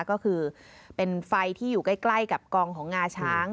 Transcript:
ก็คือเป็นไฟที่อยู่ใกล้กับกองของงาช้าง